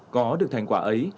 có được thành quả ấy